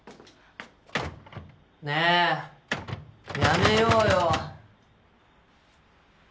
ねえやめようよ。